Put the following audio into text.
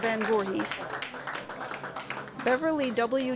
VAN VOORHIS. BEVERLY W.